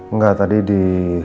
enggak tadi di